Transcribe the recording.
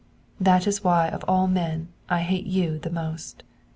That is why of all men I hate you most!